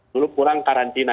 dulu kurang karantina